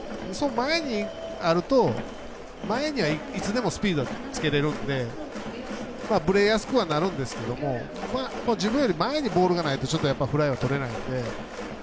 前にあると前にはいつでもスピードをつけられるのでぶれやすくはなるんですけども自分より前にボールがないとちょっとフライはとれないので。